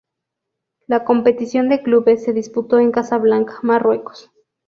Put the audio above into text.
La competición de clubes se disputó en Casablanca, Marruecos.